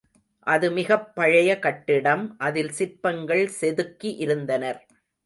அது மிகப் பழைய கட்டிடம் அதில் சிற்பங்கள் செதுக்கி இருந்தனர்.